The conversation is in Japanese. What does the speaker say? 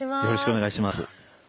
よろしくお願いします。